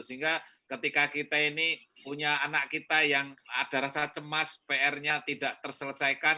sehingga ketika kita ini punya anak kita yang ada rasa cemas pr nya tidak terselesaikan